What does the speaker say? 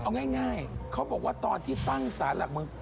เอาง่ายเขาบอกว่าตอนที่ตั้งสารหลักเมือง